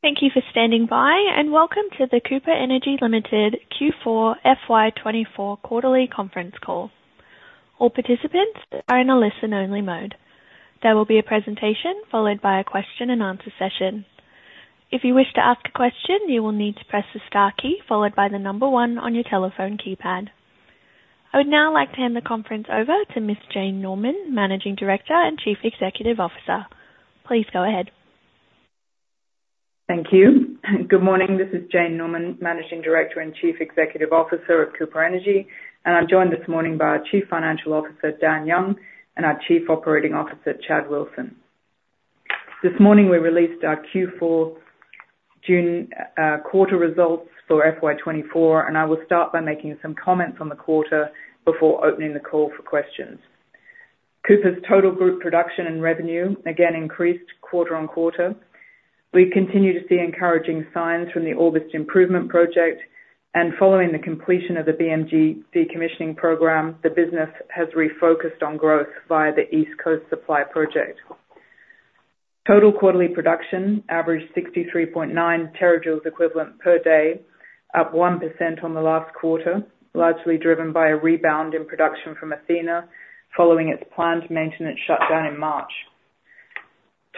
Thank you for standing by, and welcome to the Cooper Energy Limited Q4 FY 2024 quarterly conference call. All participants are in a listen-only mode. There will be a presentation followed by a question and answer session. If you wish to ask a question, you will need to press the star key followed by the number one on your telephone keypad. I would now like to hand the conference over to Ms. Jane Norman, Managing Director and Chief Executive Officer. Please go ahead. Thank you. Good morning. This is Jane Norman, Managing Director and Chief Executive Officer of Cooper Energy, and I'm joined this morning by our Chief Financial Officer, Dan Young, and our Chief Operating Officer, Chad Wilson. This morning, we released our Q4 June quarter results for FY 2024, and I will start by making some comments on the quarter before opening the call for questions. Cooper's total group production and revenue again increased quarter-on-quarter. We continue to see encouraging signs from the Orbost Improvement Project, and following the completion of the BMG decommissioning program, the business has refocused on growth via the East Coast Supply Project. Total quarterly production averaged 63.9 TJ equivalent per day, up 1% on the last quarter, largely driven by a rebound in production from Athena following its planned maintenance shutdown in March.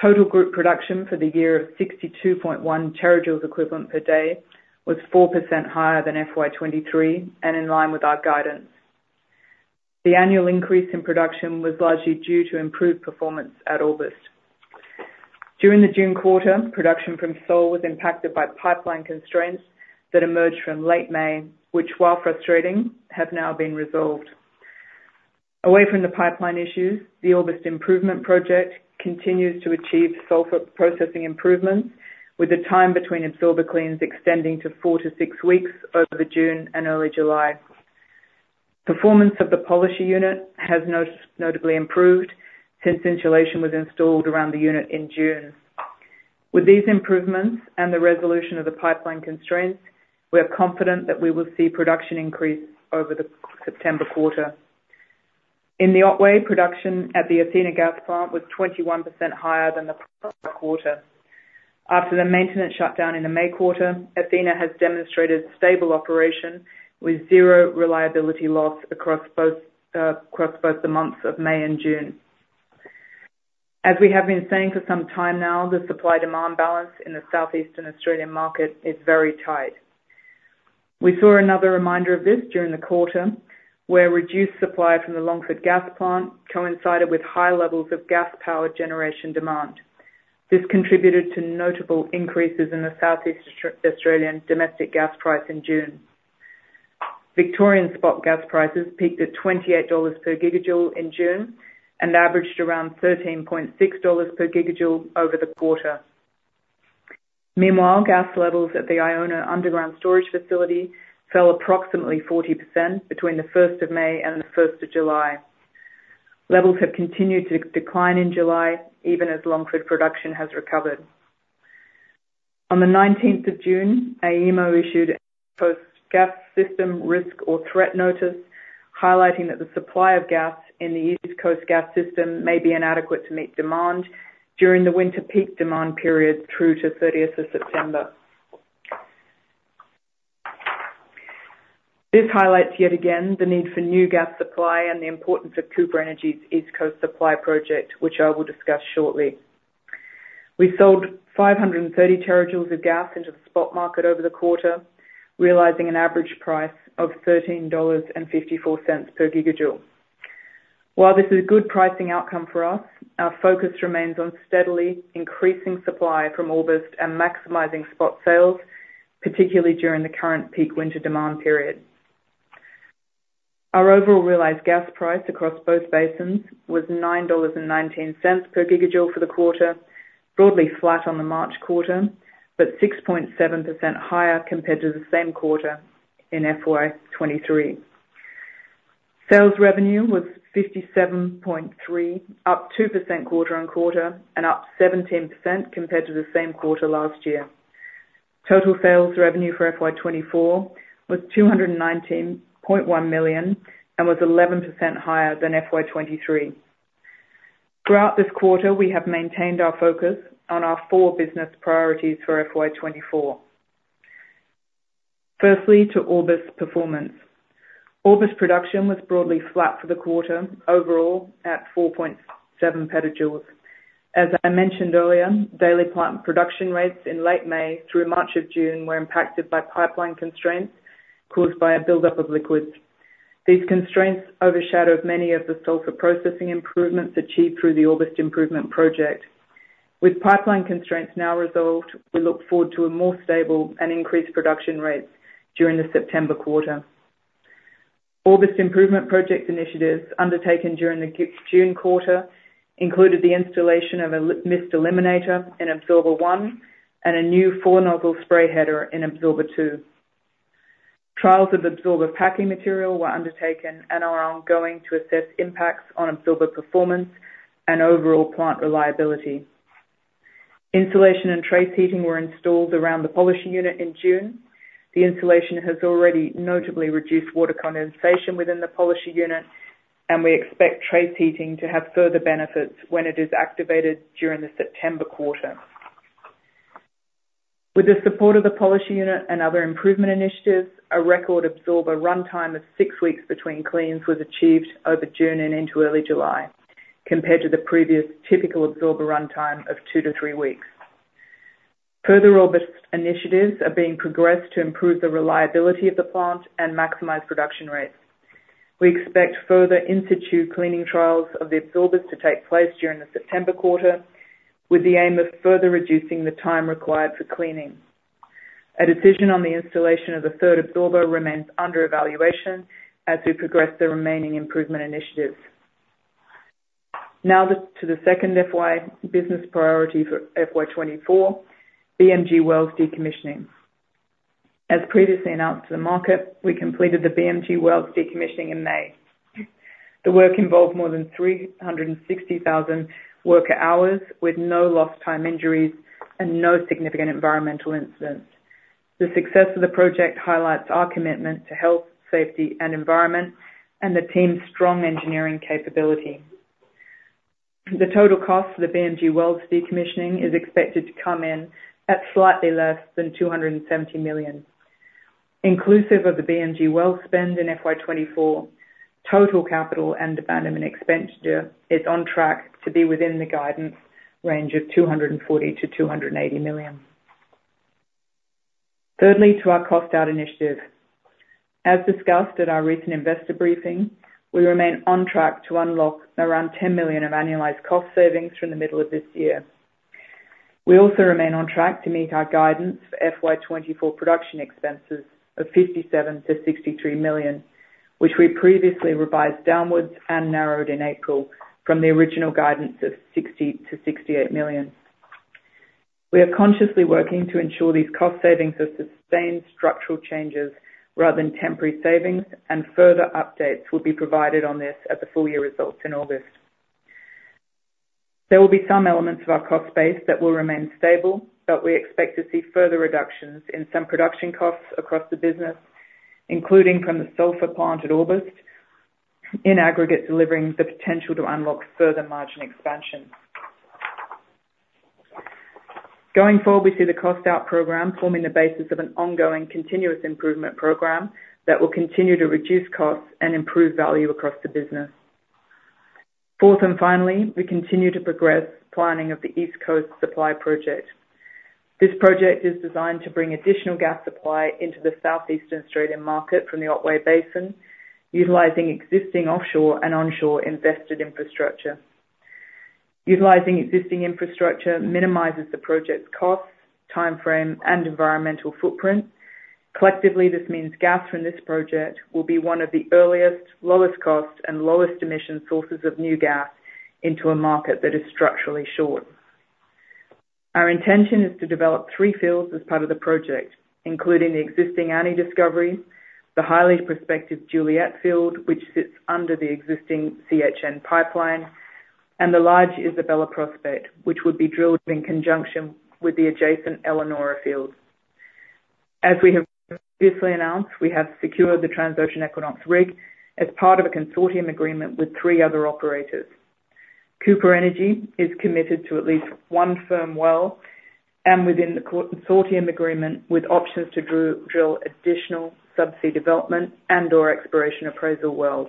Total group production for the year of 62.1 TJ equivalent per day was 4% higher than FY 2023 and in line with our guidance. The annual increase in production was largely due to improved performance at Orbost. During the June quarter, production from Sole was impacted by pipeline constraints that emerged from late May, which, while frustrating, have now been resolved. Away from the pipeline issues, the Orbost Improvement Project continues to achieve sulphur processing improvements, with the time between absorber cleans extending to 4-6 weeks over June and early July. Performance of the polisher unit has notably improved since insulation was installed around the unit in June. With these improvements and the resolution of the pipeline constraints, we are confident that we will see production increase over the September quarter. In the Otway, production at the Athena Gas Plant was 21% higher than the previous quarter. After the maintenance shutdown in the May quarter, Athena has demonstrated stable operation with zero reliability loss across both the months of May and June. As we have been saying for some time now, the supply-demand balance in the Southeast Australian market is very tight. We saw another reminder of this during the quarter, where reduced supply from the Longford Gas Plant coincided with high levels of gas-powered generation demand. This contributed to notable increases in the Southeast Australian domestic gas price in June. Victorian spot gas prices peaked at 28 dollars per GJ in June and averaged around 13.6 dollars per GJ over the quarter. Meanwhile, gas levels at the Iona underground storage facility fell approximately 40% between the first of May and the first of July. Levels have continued to decline in July, even as Longford production has recovered. On the nineteenth of June, AEMO issued a gas system risk or threat notice, highlighting that the supply of gas in the East Coast Gas System may be inadequate to meet demand during the winter peak demand period through to thirtieth of September. This highlights, yet again, the need for new gas supply and the importance of Cooper Energy's East Coast Supply Project, which I will discuss shortly. We sold 530 TJ of gas into the spot market over the quarter, realizing an average price of 13.54 dollars per GJ. While this is a good pricing outcome for us, our focus remains on steadily increasing supply from Orbost and maximizing spot sales, particularly during the current peak winter demand period. Our overall realized gas price across both basins was 9.19 dollars per GJ for the quarter, broadly flat on the March quarter, but 6.7 higher compared to the same quarter in FY 2023. Sales revenue was 57.3 million, up 2% quarter-on-quarter and up 17% compared to the same quarter last year. Total sales revenue for FY 2024 was 219.1 million and was 11% higher than FY 2023. Throughout this quarter, we have maintained our focus on our four business priorities for FY 2024. Firstly, to Orbost's performance. Orbost production was broadly flat for the quarter, overall, at 4.7 PJ. As I mentioned earlier, daily plant production rates in late May through much of June were impacted by pipeline constraints caused by a buildup of liquids. These constraints overshadowed many of the sulphur processing improvements achieved through the Orbost Improvement Project. With pipeline constraints now resolved, we look forward to a more stable and increased production rates during the September quarter. Orbost Improvement Project initiatives undertaken during the June quarter included the installation of a mist eliminator in absorber one and a new four-nozzle spray header in absorber two. Trials of absorber packing material were undertaken and are ongoing to assess impacts on absorber performance and overall plant reliability. Insulation and trace heating were installed around the polisher unit in June. The insulation has already notably reduced water condensation within the polisher unit... We expect trace heating to have further benefits when it is activated during the September quarter. With the support of the polisher unit and other improvement initiatives, a record absorber runtime of 6 weeks between cleans was achieved over June and into early July, compared to the previous typical absorber runtime of 2-3 weeks. Further Orbost initiatives are being progressed to improve the reliability of the plant and maximize production rates. We expect further in-situ cleaning trials of the absorbers to take place during the September quarter, with the aim of further reducing the time required for cleaning. A decision on the installation of the third absorber remains under evaluation as we progress the remaining improvement initiatives. Now, to the second FY business priority for FY 2024, BMG wells decommissioning. As previously announced to the market, we completed the BMG wells decommissioning in May. The work involved more than 360,000 worker hours, with no lost time injuries and no significant environmental incidents. The success of the project highlights our commitment to health, safety, and environment, and the team's strong engineering capability. The total cost for the BMG wells decommissioning is expected to come in at slightly less than 270 million. Inclusive of the BMG well spend in FY 2024, total capital and abandonment expenditure is on track to be within the guidance range of 240 million-280 million. Thirdly, to our cost out initiative. As discussed at our recent investor briefing, we remain on track to unlock around 10 million of annualized cost savings from the middle of this year. We also remain on track to meet our guidance for FY 2024 production expenses of 57 million-63 million, which we previously revised downwards and narrowed in April from the original guidance of 60 million-68 million. We are consciously working to ensure these cost savings are sustained structural changes rather than temporary savings, and further updates will be provided on this at the full year results in August. There will be some elements of our cost base that will remain stable, but we expect to see further reductions in some production costs across the business, including from the sulphur plant at Orbost, in aggregate, delivering the potential to unlock further margin expansion. Going forward, we see the cost out program forming the basis of an ongoing continuous improvement program that will continue to reduce costs and improve value across the business. Fourth, and finally, we continue to progress planning of the East Coast Supply Project. This project is designed to bring additional gas supply into the Southeastern Australian market from the Otway Basin, utilizing existing offshore and onshore invested infrastructure. Utilizing existing infrastructure minimizes the project's costs, timeframe, and environmental footprint. Collectively, this means gas from this project will be one of the earliest, lowest cost, and lowest emission sources of new gas into a market that is structurally short. Our intention is to develop three fields as part of the project, including the existing Annie discovery, the highly prospective Juliet field, which sits under the existing CHN pipeline, and the large Isabella prospect, which would be drilled in conjunction with the adjacent Elanora field. As we have previously announced, we have secured the Transocean Equinox rig as part of a consortium agreement with three other operators. Cooper Energy is committed to at least one firm well, and within the consortium agreement, with options to drill additional subsea development and/or exploration appraisal wells.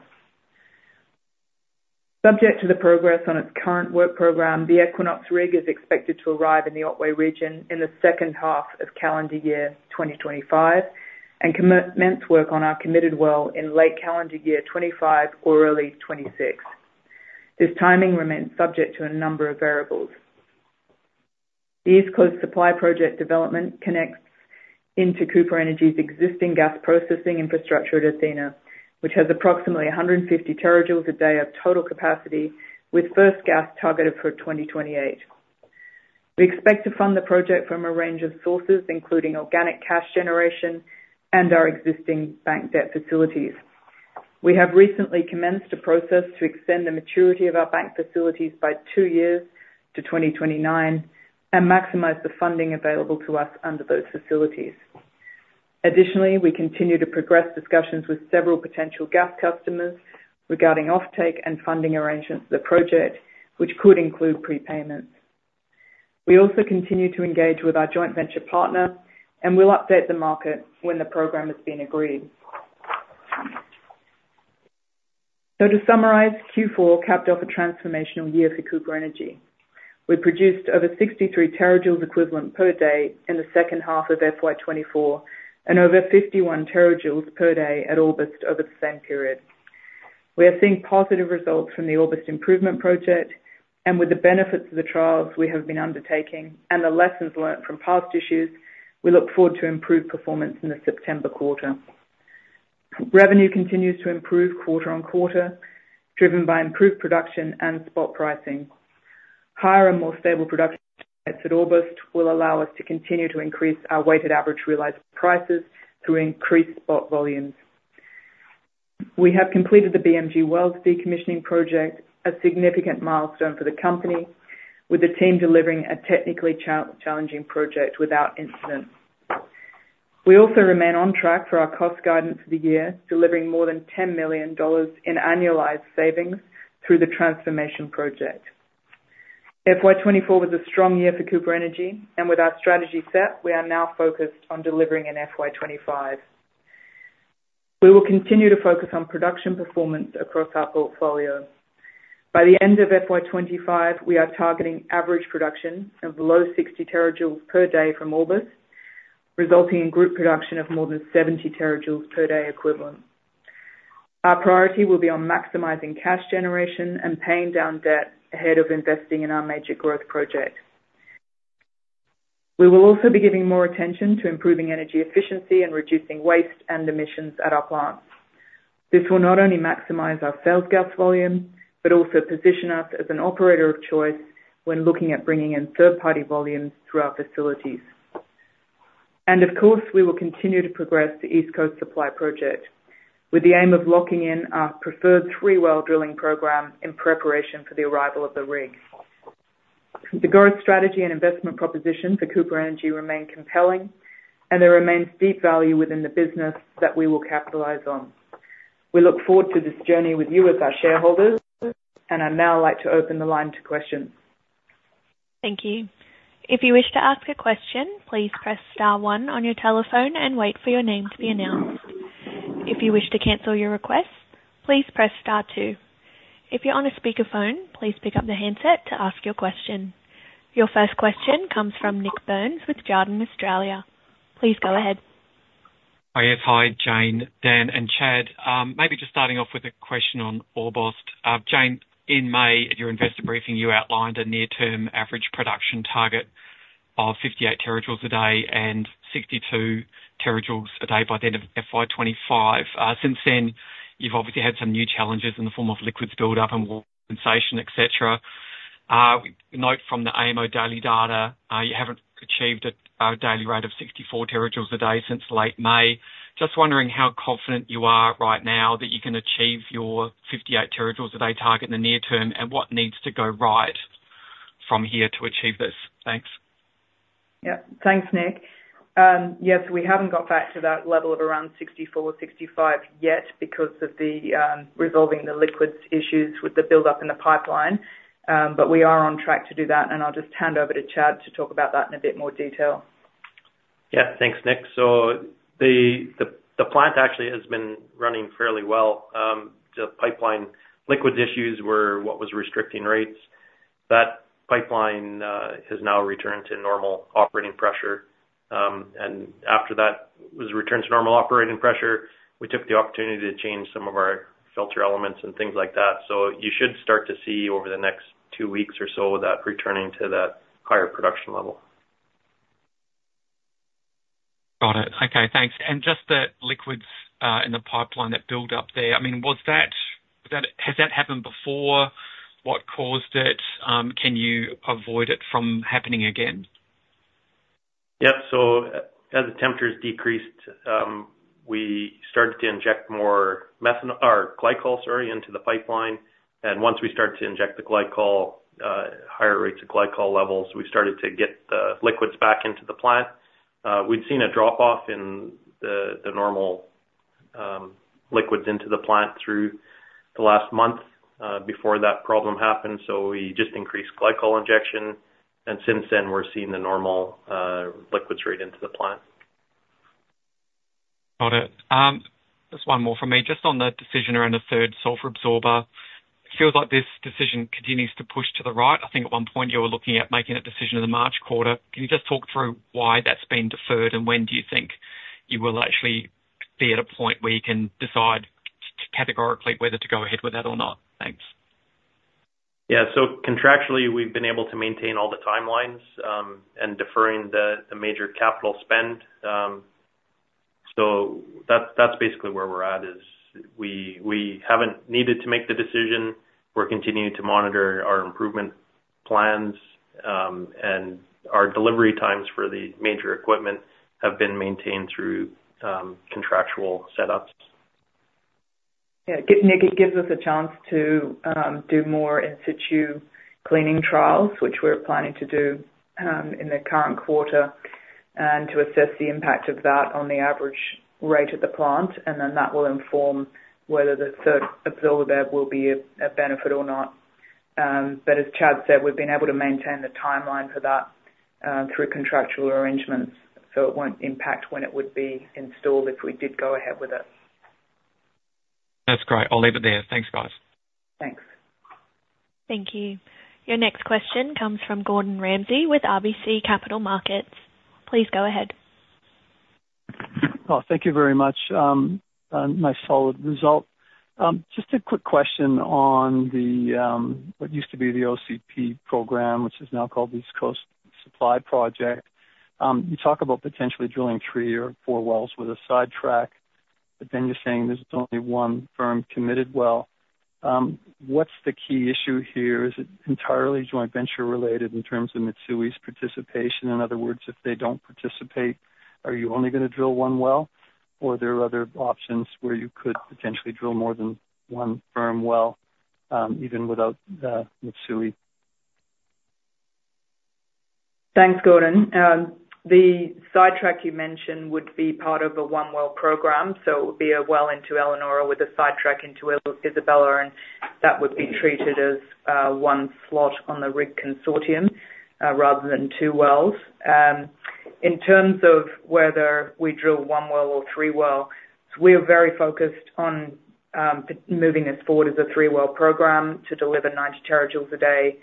Subject to the progress on its current work program, the Equinox rig is expected to arrive in the Otway region in the second half of calendar year 2025, and commence work on our committed well in late calendar year 2025 or early 2026. This timing remains subject to a number of variables. The East Coast Supply Project development connects into Cooper Energy's existing gas processing infrastructure at Athena, which has approximately 150 TJ a day of total capacity, with first gas targeted for 2028. We expect to fund the project from a range of sources, including organic cash generation and our existing bank debt facilities. We have recently commenced a process to extend the maturity of our bank facilities by 2 years to 2029, and maximize the funding available to us under those facilities. Additionally, we continue to progress discussions with several potential gas customers regarding offtake and funding arrangements for the project, which could include prepayments. We also continue to engage with our joint venture partner, and we'll update the market when the program has been agreed. So to summarize, Q4 capped off a transformational year for Cooper Energy. We produced over 63 TJ equivalent per day in the second half of FY 2024, and over 51 TJ per day at Orbost over the same period. We are seeing positive results from the Orbost Improvement Project, and with the benefits of the trials we have been undertaking and the lessons learned from past issues, we look forward to improved performance in the September quarter. Revenue continues to improve quarter-over-quarter, driven by improved production and spot pricing. Higher and more stable production at Orbost will allow us to continue to increase our weighted average realized prices through increased spot volumes. We have completed the BMG wells decommissioning project, a significant milestone for the company, with the team delivering a technically challenging project without incident. We also remain on track for our cost guidance for the year, delivering more than 10 million dollars in annualized savings through the transformation project. FY 2024 was a strong year for Cooper Energy, and with our strategy set, we are now focused on delivering in FY 2025. We will continue to focus on production performance across our portfolio. By the end of FY 2025, we are targeting average production of below 60 TJ per day from Orbost, resulting in group production of more than 70 TJ per day equivalent. Our priority will be on maximizing cash generation and paying down debt ahead of investing in our major growth project. We will also be giving more attention to improving energy efficiency and reducing waste and emissions at our plants. This will not only maximize our sales gas volume, but also position us as an operator of choice when looking at bringing in third-party volumes through our facilities. Of course, we will continue to progress the East Coast Supply Project, with the aim of locking in our preferred three well drilling program in preparation for the arrival of the rig. The growth strategy and investment proposition for Cooper Energy remain compelling, and there remains deep value within the business that we will capitalize on. We look forward to this journey with you as our shareholders, and I'd now like to open the line to questions. Thank you. If you wish to ask a question, please press star one on your telephone and wait for your name to be announced. If you wish to cancel your request, please press star two. If you're on a speakerphone, please pick up the handset to ask your question. Your first question comes from Nik Burns with Jarden Australia. Please go ahead. Oh, yes. Hi, Jane, Dan, and Chad. Maybe just starting off with a question on Orbost. Jane, in May, at your investor briefing, you outlined a near-term average production target of 58 TJ a day and 62 TJ a day by the end of FY 2025. Since then, you've obviously had some new challenges in the form of liquids buildup and condensation, et cetera. We note from the AEMO daily data, you haven't achieved a daily rate of 64 TJ a day since late May. Just wondering how confident you are right now that you can achieve your 58 TJ a day target in the near term, and what needs to go right from here to achieve this? Thanks. Yeah. Thanks, Nik. Yes, we haven't got back to that level of around 64 TJ-65 TJ yet because of the resolving the liquids issues with the buildup in the pipeline. But we are on track to do that, and I'll just hand over to Chad to talk about that in a bit more detail. Yeah. Thanks, Nik. So the plant actually has been running fairly well. The pipeline liquids issues were what was restricting rates. That pipeline has now returned to normal operating pressure. And after that was returned to normal operating pressure, we took the opportunity to change some of our filter elements and things like that. So you should start to see over the next two weeks or so, that returning to that higher production level. Got it. Okay, thanks. And just the liquids in the pipeline that build up there, I mean, was that? Has that happened before? What caused it? Can you avoid it from happening again? Yeah. So as the temperatures decreased, we started to inject more methanol or glycol, sorry, into the pipeline, and once we started to inject the glycol, higher rates of glycol levels, we started to get the liquids back into the plant. We'd seen a drop-off in the normal liquids into the plant through the last month, before that problem happened, so we just increased glycol injection, and since then, we're seeing the normal liquids rate into the plant. Got it. Just one more from me. Just on the decision around a third sulphur absorber. Feels like this decision continues to push to the right. I think at one point, you were looking at making a decision in the March quarter. Can you just talk through why that's been deferred, and when do you think you will actually be at a point where you can decide to categorically whether to go ahead with that or not? Thanks. Yeah. So contractually, we've been able to maintain all the timelines, and deferring the major capital spend. So that's basically where we're at, is we haven't needed to make the decision. We're continuing to monitor our improvement plans, and our delivery times for the major equipment have been maintained through contractual setups. Yeah, it gives us a chance to do more in situ cleaning trials, which we're planning to do in the current quarter, and to assess the impact of that on the average rate of the plant, and then that will inform whether the third absorber will be a benefit or not. But as Chad said, we've been able to maintain the timeline for that through contractual arrangements, so it won't impact when it would be installed if we did go ahead with it. That's great. I'll leave it there. Thanks, guys. Thanks. Thank you. Your next question comes from Gordon Ramsay with RBC Capital Markets. Please go ahead. Oh, thank you very much. A nice solid result. Just a quick question on the, what used to be the OP3D program, which is now called East Coast Supply Project. You talk about potentially drilling 3 or 4 wells with a sidetrack, but then you're saying there's only 1 firm committed well. What's the key issue here? Is it entirely joint venture related in terms of Mitsui's participation? In other words, if they don't participate, are you only gonna drill 1 well, or there are other options where you could potentially drill more than one firm well, even without Mitsui? Thanks, Gordon. The sidetrack you mentioned would be part of a one well program, so it would be a well into Elanora with a sidetrack into Isabella, and that would be treated as one slot on the rig consortium rather than two wells. In terms of whether we drill one well or three well, we are very focused on moving this forward as a three-well program to deliver 90 TJ a day.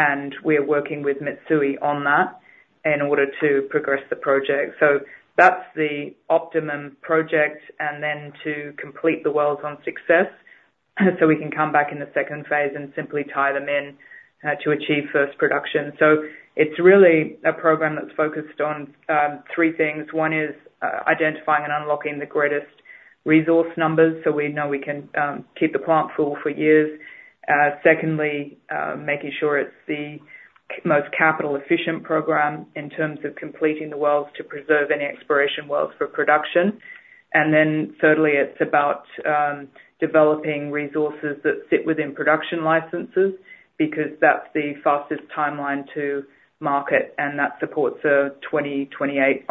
And we are working with Mitsui on that in order to progress the project. So that's the optimum project, and then to complete the wells on success, so we can come back in the second phase and simply tie them in to achieve first production. So it's really a program that's focused on three things. One is identifying and unlocking the greatest resource numbers, so we know we can keep the plant full for years. Secondly, making sure it's the most capital efficient program in terms of completing the wells to preserve any exploration wells for production. And then thirdly, it's about developing resources that fit within production licenses, because that's the fastest timeline to market, and that supports a 2028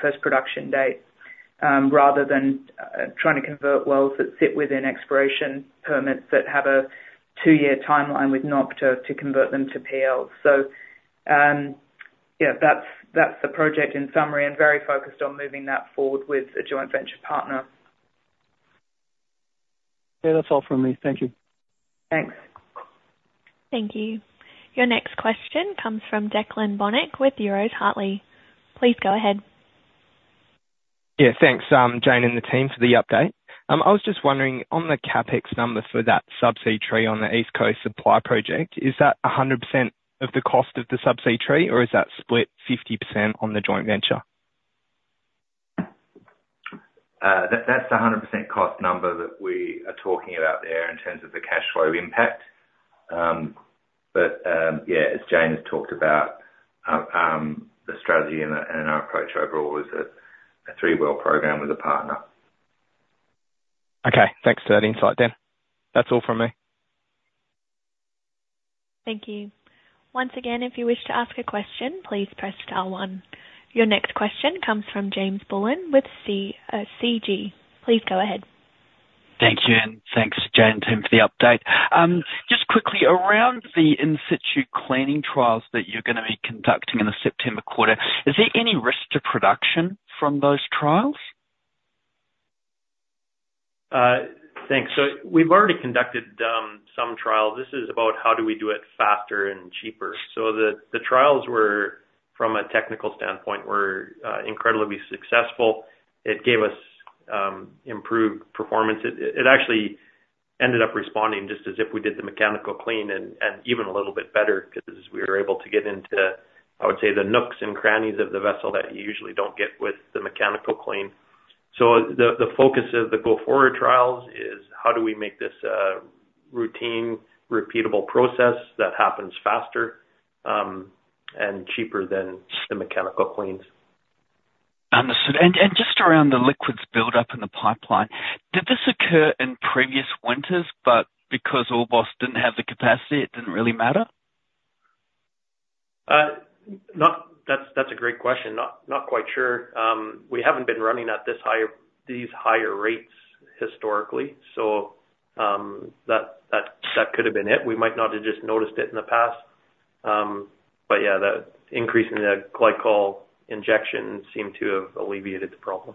first production date, rather than trying to convert wells that sit within exploration permits that have a two-year timeline with NOPTA to convert them to PL. So, yeah, that's the project in summary, and very focused on moving that forward with a joint venture partner. Yeah, that's all from me. Thank you. Thanks. Thank you. Your next question comes from Declan Bonnick with Euroz Hartleys. Please go ahead. Yeah, thanks, Jane and the team for the update. I was just wondering, on the CapEx number for that subsea tree on the East Coast Supply Project, is that 100% of the cost of the subsea tree, or is that split 50% on the joint venture? That, that's the 100% cost number that we are talking about there in terms of the cash flow impact. But yeah, as Jane has talked about, the strategy and our approach overall is a three-well program with a partner. Okay, thanks for that insight, Dan. That's all from me. Thank you. Once again, if you wish to ask a question, please press star one. Your next question comes from James Bullen with CG. Please go ahead. Thank you, and thanks to Jane and team for the update. Just quickly, around the in-situ cleaning trials that you're gonna be conducting in the September quarter, is there any risk to production from those trials? Thanks. So we've already conducted some trials. This is about how do we do it faster and cheaper. So the trials were from a technical standpoint incredibly successful. It gave us improved performance. It actually ended up responding just as if we did the mechanical clean and even a little bit better, 'cause we were able to get into, I would say, the nooks and crannies of the vessel that you usually don't get with the mechanical clean. So the focus of the go-forward trials is how do we make this a routine, repeatable process that happens faster and cheaper than the mechanical cleans? Understood. Just around the liquids buildup in the pipeline, did this occur in previous winters, but because Orbost didn't have the capacity, it didn't really matter? That's a great question. Not quite sure. We haven't been running at this higher, these higher rates historically, so that could have been it. We might not have just noticed it in the past. But yeah, the increase in the glycol injection seemed to have alleviated the problem.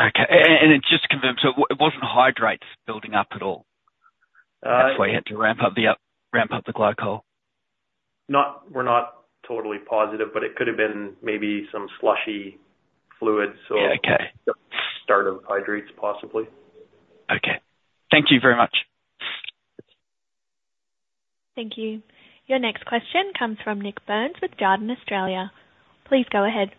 Okay. And just to confirm, so it wasn't hydrates building up at all? Uh. That's why you had to ramp up the glycol. We're not totally positive, but it could have been maybe some slushy fluids or- Yeah, okay. Start of hydrates, possibly. Okay. Thank you very much. Thank you. Your next question comes from Nik Burns with Jarden Australia. Please go ahead.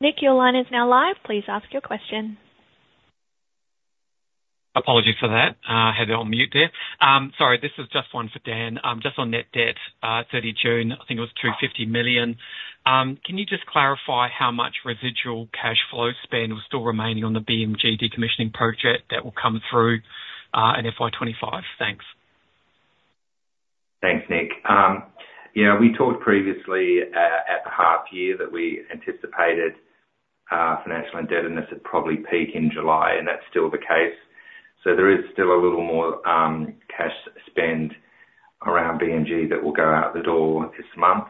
Nik, your line is now live. Please ask your question. Apologies for that. Had it on mute there. Sorry, this is just one for Dan. Just on net debt, 30 June, I think it was 250 million. Can you just clarify how much residual cash flow spend was still remaining on the BMG decommissioning project that will come through, in FY 2025? Thanks. Thanks, Nik. Yeah, we talked previously at the half year that we anticipated financial indebtedness would probably peak in July, and that's still the case. So there is still a little more cash spend around BMG that will go out the door this month.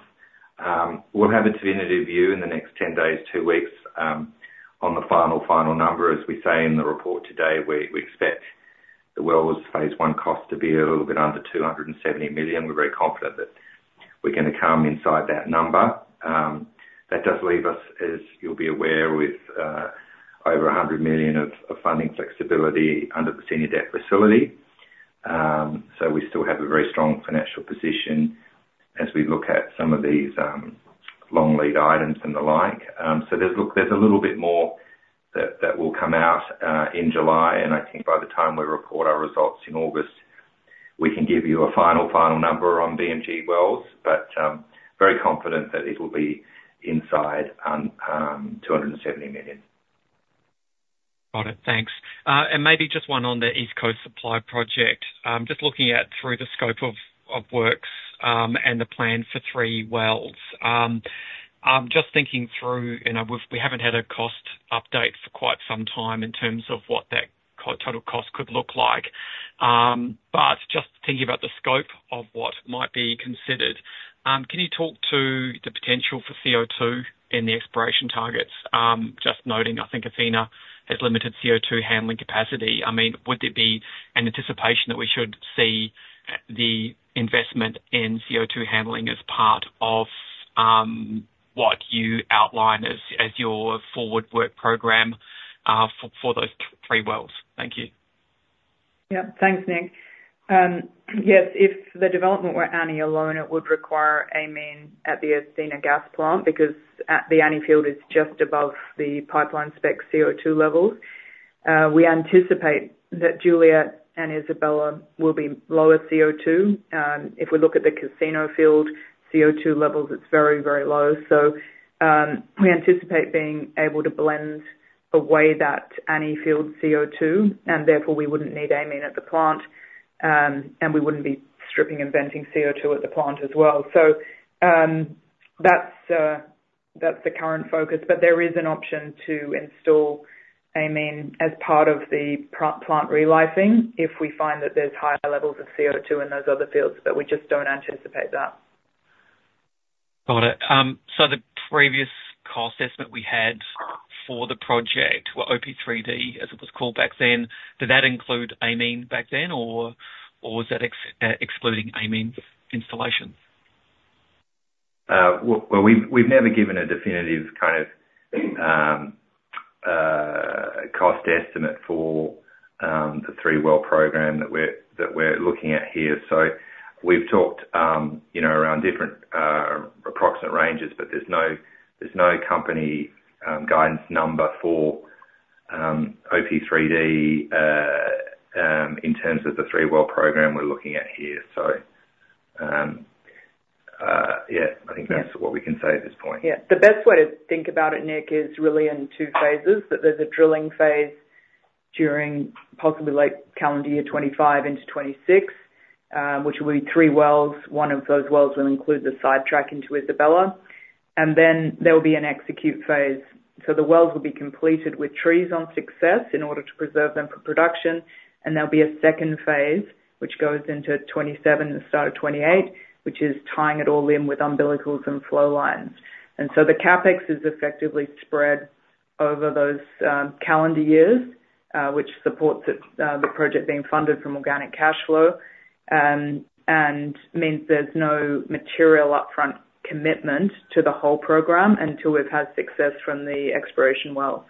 We'll have a definitive view in the next 10 days, two weeks, on the final number. As we say in the report today, we expect the wells Phase I cost to be a little bit under 270 million. We're very confident that we're gonna come inside that number. That does leave us, as you'll be aware, with over 100 million of funding flexibility under the senior debt facility. We still have a very strong financial position as we look at some of these long lead items and the like. There's a little bit more that will come out in July, and I think by the time we report our results in August we can give you a final, final number on BMG wells, but very confident that it'll be inside 270 million. Got it. Thanks. And maybe just one on the East Coast Supply Project. Just looking through the scope of works, and the plan for three wells. I'm just thinking through, you know, we haven't had a cost update for quite some time in terms of what that total cost could look like. But just thinking about the scope of what might be considered, can you talk to the potential for CO2 in the exploration targets? Just noting, I think Athena has limited CO2 handling capacity. I mean, would there be an anticipation that we should see the investment in CO2 handling as part of what you outline as your forward work program for those three wells? Thank you. Yeah. Thanks, Nik. Yes, if the development were Annie alone, it would require amine at the Athena Gas Plant, because at the Annie field, it's just above the pipeline spec CO2 levels. We anticipate that Juliet and Isabella will be lower CO2. If we look at the Casino field, CO2 levels, it's very, very low. We anticipate being able to blend away that Annie field CO2, and therefore, we wouldn't need amine at the plant, and we wouldn't be stripping and venting CO2 at the plant as well. That's the current focus, but there is an option to install amine as part of the plant re-lifing, if we find that there's higher levels of CO2 in those other fields, but we just don't anticipate that. Got it. So the previous cost estimate we had for the project, well, OP3D, as it was called back then, did that include amine back then, or was that excluding amine installation? Well, we've never given a definitive kind of cost estimate for the three-well program that we're looking at here. So we've talked, you know, around different approximate ranges, but there's no company guidance number for OP3D in terms of the three-well program we're looking at here. So yeah, I think that's what we can say at this point. Yeah. The best way to think about it, Nik, is really in two phases. That there's a drilling phase during possibly late calendar year 2025 into 2026, which will be three wells. One of those wells will include the sidetrack into Isabella, and then there will be an execute phase. So the wells will be completed with trees on success in order to preserve them for production, and there'll be a second phase, which goes into 2027, the start of 2028, which is tying it all in with umbilicals and flow lines. And so the CapEx is effectively spread over those calendar years, which supports the project being funded from organic cashflow. And means there's no material upfront commitment to the whole program until we've had success from the exploration wells.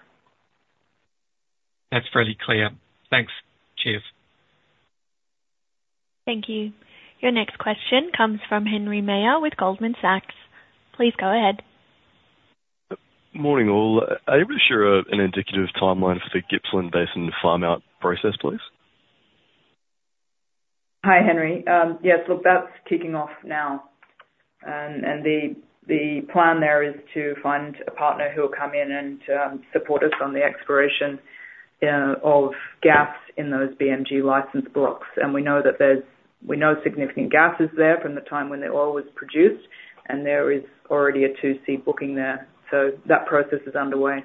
That's fairly clear. Thanks. Cheers. Thank you. Your next question comes from Henry Meyer with Goldman Sachs. Please go ahead. Morning, all. Are you able to share an indicative timeline for the Gippsland Basin farm-out process, please? Hi, Henry. Yes, look, that's kicking off now. And the plan there is to find a partner who will come in and support us on the exploration of gas in those BMG license blocks. And we know significant gas is there from the time when the oil was produced, and there is already a 2C booking there. That process is underway.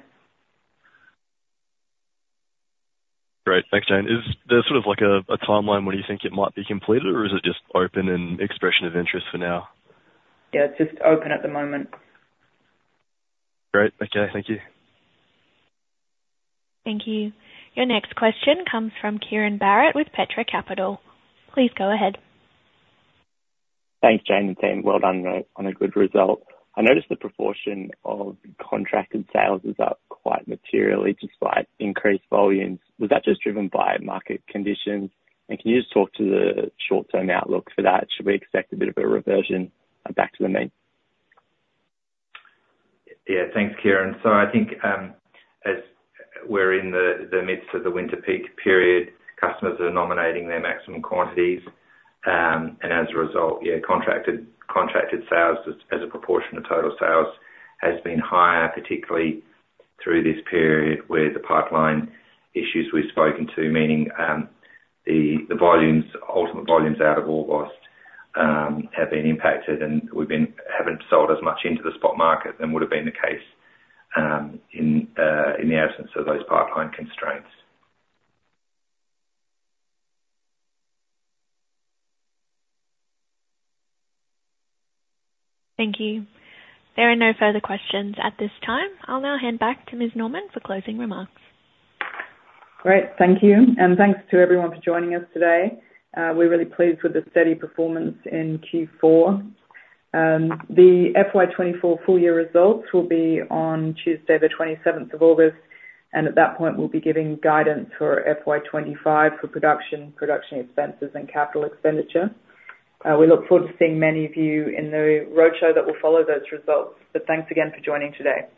Great. Thanks, Jane. Is there sort of like a timeline when you think it might be completed, or is it just open and expression of interest for now? Yeah, it's just open at the moment. Great. Okay. Thank you. Thank you. Your next question comes from Kieran Barratt with Petra Capital. Please go ahead. Thanks, Jane, and team. Well done on a good result. I noticed the proportion of contracted sales is up quite materially despite increased volumes. Was that just driven by market conditions? And can you just talk to the short-term outlook for that? Should we expect a bit of a reversion back to the mean? Yeah. Thanks, Kieran. So I think, as we're in the midst of the winter peak period, customers are nominating their maximum quantities, and as a result, yeah, contracted sales as a proportion of total sales has been higher, particularly through this period where the pipeline issues we've spoken to, meaning the volumes, ultimate volumes out of Orbost, have been impacted, and we haven't sold as much into the spot market than would have been the case, in the absence of those pipeline constraints. Thank you. There are no further questions at this time. I'll now hand back to Ms. Norman for closing remarks. Great. Thank you, and thanks to everyone for joining us today. We're really pleased with the steady performance in Q4. The FY 2024 full year results will be on Tuesday, the 27th of August, and at that point, we'll be giving guidance for FY 2025 for production, production expenses, and capital expenditure. We look forward to seeing many of you in the roadshow that will follow those results, but thanks again for joining today.